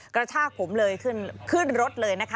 กระชากผมเลยขึ้นรถเลยนะคะ